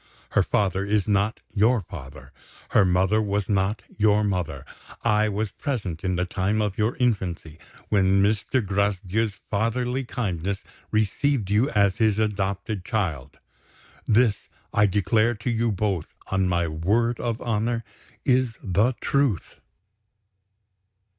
Her father is not your father; her mother was not your mother. I was present, in the time of your infancy, when Mr. Gracedieu's fatherly kindness received you as his adopted child. This, I declare to you both, on my word of honor, is the truth."